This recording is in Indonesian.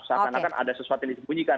sakan sakan ada sesuatu yang disembunyikan